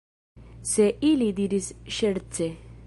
Se ili diris ŝerce.